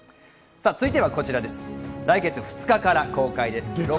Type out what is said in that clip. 続いて、こちら来月２日から公開です。